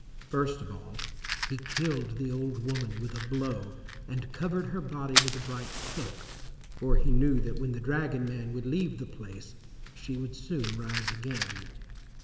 First of all he killed the old woman with a blow and covered her body with a bright cloak, for he knew that when the dragon man would leave the place she would soon rise again.